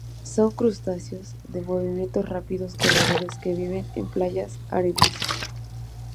Son crustáceos de movimientos rápidos, corredores, que viven en playas arenosas.